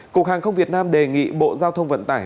cục hàng không việt nam đề nghị bộ giao thông vận tải